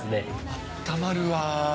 あったまるわー。